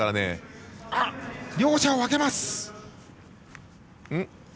両者を分けます。